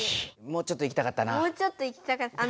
もうちょっといきたかった。